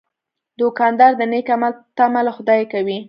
دوکاندار د نیک عمل تمه له خدایه کوي.